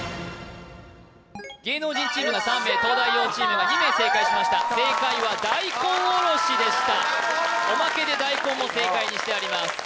芸能人チームが３名東大王チームが２名正解しました正解は大根おろしでしたにしてあります